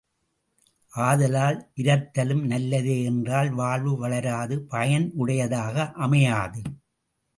ஆதலால், இரத்தலும் நல்லதே என்றால் வாழ்வு வளராது பயனுடையதாக அமையாது.